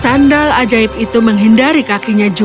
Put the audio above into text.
sandal ajaib itu menghindari kakinya juga